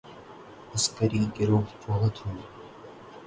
عسکری گروہ بہت ہوں۔